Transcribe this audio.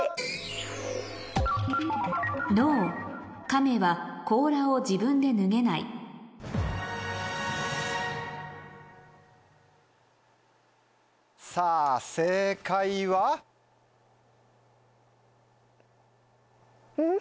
カメは甲羅を自分で脱げないさぁ正解は⁉ん？